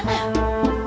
pak deh mau manggung